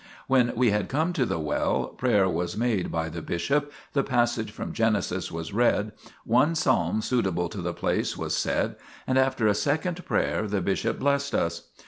When we had come to the well, prayer was made by the bishop, the passage from Genesis was read, one psalm suitable to the place was said and, after a second prayer, the bishop blessed us.